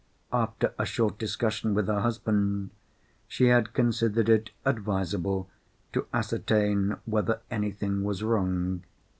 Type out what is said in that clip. After a short discussion with her husband, she had considered it advisable to ascertain whether anything was wrong.